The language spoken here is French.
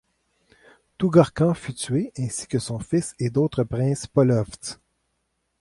Tougorkan fut tué ainsi que son fils et d'autres princes polovtses.